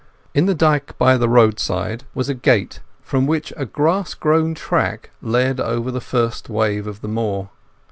In the dyke by the roadside was a gate, from which a grass grown track led over the first wave of the moor.